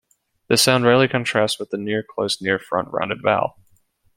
This sound rarely contrasts with the near-close near-front rounded vowel.